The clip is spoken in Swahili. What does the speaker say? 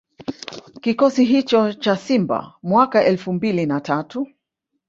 Kikosi hicho cha Simba mwaka elfu mbili na tatu